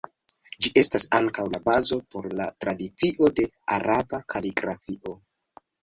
Ĝi estas ankaŭ la bazo por la tradicio de Araba kaligrafio.